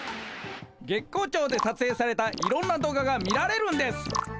月光町でさつえいされたいろんな動画が見られるんです。